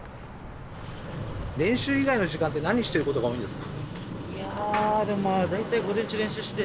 練習以外の時間って何してることが多いんですか？